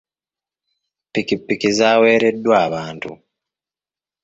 Ppikipiki zaaweereddwa abantu.